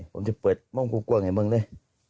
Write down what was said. ผมจะเปิดม้องกลัวให้มึงด้วย